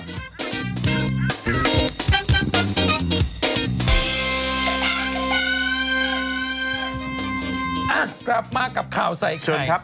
อ่ากลับมากับข่าวใส่ไข่เชิญครับ